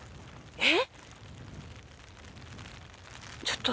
えっ